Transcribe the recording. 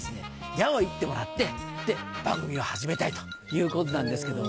矢を射ってもらって番組を始めたいということなんですけど。